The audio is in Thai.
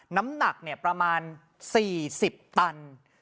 น้ำหนักประมาณ๔๐ตัน